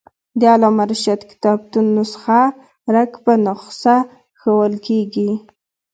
د علامه رشاد کتابتون نسخه رک په نخښه ښوول کېږي.